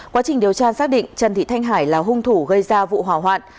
quá trình điều tra xác định trần thị thanh hải là hung thủ gây ra vụ hỏa hoạn